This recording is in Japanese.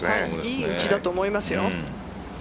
いい位置だと思いますよ。